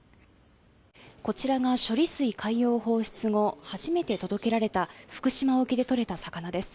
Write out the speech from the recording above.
こちらが処理水海洋放出後初めて届けられた福島沖で取れた魚です。